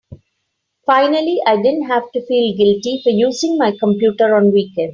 Finally I didn't have to feel guilty for using my computer on weekends.